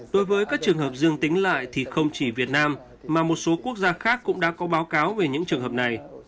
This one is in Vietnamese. đối với các trường hợp dương tính lại thì không chỉ việt nam mà một số quốc gia khác cũng đã có báo cáo về những trường hợp này